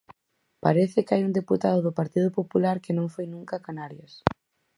Parece que hai un deputado do Partido Popular que non foi nunca a Canarias.